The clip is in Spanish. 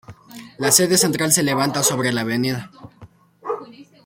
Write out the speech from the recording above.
La sede central se levanta sobre la Av.